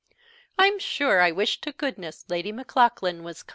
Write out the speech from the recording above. I'm sure I wish to goodness Lady Maclaughlan was come!"